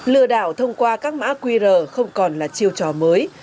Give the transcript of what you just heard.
lừa đảo thông qua các mã qr không còn là chiêu trò mới